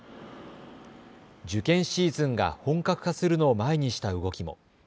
受験シーズンが本格化するのを前にした動きも。